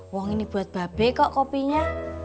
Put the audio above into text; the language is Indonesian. wong ini buat babe kok kopinya